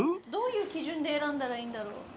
どういう基準で選んだらいいんだろう。